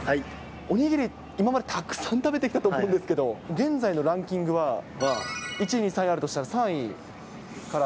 お握り、今までたくさん食べてきたと思うんですけど、現在のランキングは１位、２位、３位あるとしたら、３位から。